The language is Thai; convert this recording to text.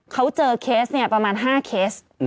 เขาเจอเคสเนี่ยประมาณ๕เคส